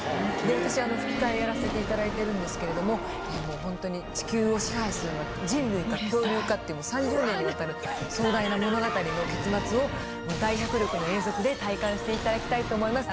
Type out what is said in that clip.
私吹き替えやらせていただいてるんですけれどもホントに地球を支配するのは人類か恐竜かって３０年にわたる壮大な物語の結末を大迫力の映像で体感していただきたいと思います。